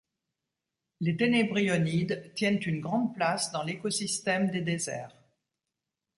Les Tenebrionides tiennent une grande place dans l'écosystème des déserts.